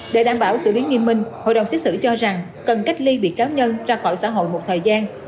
để đảm bảo xử lý nghiêm minh hội đồng xét xử cho rằng cần cách ly bị cáo nhân ra khỏi xã hội một thời gian